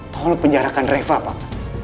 tolong penjarakan reva pak